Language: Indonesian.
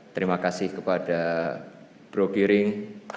terima kasih kepada bro giring